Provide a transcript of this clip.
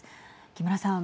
木村さん